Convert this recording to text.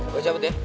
gue cabut ya